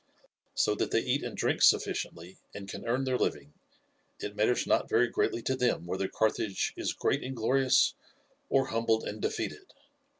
So that they eat and drink sufficiently, and can earn their living, it matters not very greatly to them whether Carthage is great and glorious, or humbled and defeated.